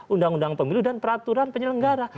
undang undang pemilu dan peraturan penyelenggara